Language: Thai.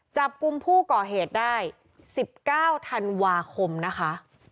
จับกลุ่มผู้ก่อเหตุได้๑๙ธันวาคมนะคะ